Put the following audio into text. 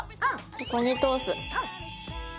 ここに通す。